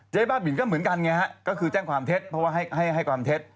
บ้าบินก็เหมือนกันไงฮะก็คือแจ้งความเท็จเพราะว่าให้ความเท็จ